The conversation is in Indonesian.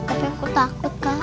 tapi aku takut lah